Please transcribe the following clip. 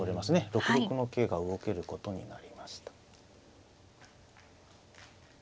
６六の桂が動けることになりました。